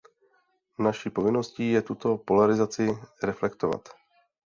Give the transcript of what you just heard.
Naší povinností je tuto polarizaci reflektovat.